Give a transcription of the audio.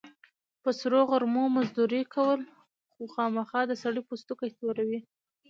په سرو غرمو مزدوري کول، خوامخا د سړي پوستکی توروي.